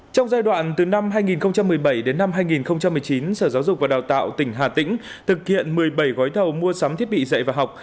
trong giai đoạn từ năm hai nghìn một mươi bảy đến năm hai nghìn một mươi chín sở giáo dục và đào tạo tỉnh hà tĩnh thực hiện một mươi bảy gói thầu mua sắm thiết bị dạy và học